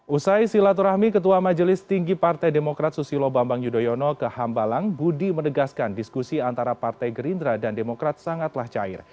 usai silaturahmi ketua majelis tinggi partai demokrat susilo bambang yudhoyono ke hambalang budi menegaskan diskusi antara partai gerindra dan demokrat sangatlah cair